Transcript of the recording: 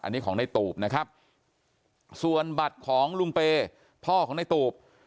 อันนี้ของในตูบนะครับส่วนบัตรของลุงเปย์พ่อของในตูบ